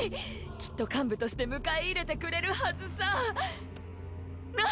きっと幹部として迎え入れてくれるはずさなっ？